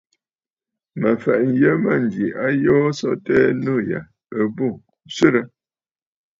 Mə fɛ̀ʼɛ nyə mânjì a yoo so tɛɛ, nû yâ ɨ bû ǹswerə!